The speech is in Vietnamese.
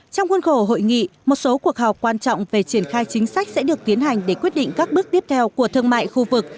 trong khuôn khổ hội nghị một số cuộc họp quan trọng về triển khai chính sách sẽ được tiến hành để quyết định các bước tiếp theo của thương mại khu vực